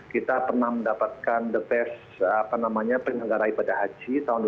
kita pernah mendapatkan the best pengenggarai pada haji tahun dua ribu dua belas